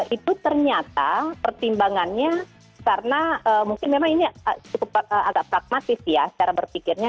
itu ternyata pertimbangannya karena mungkin memang ini cukup agak pragmatis ya cara berpikirnya